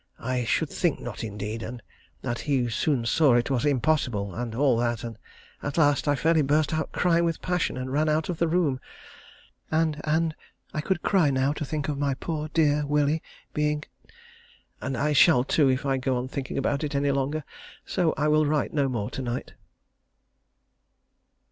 I should think not, indeed! and that he soon saw it was impossible, and all that; and at last, I fairly burst out crying with passion, and ran out of the room. And and I could cry now to think of my poor dear Willie being and I shall, too, if I go on thinking about it any longer, so I will write no more to night.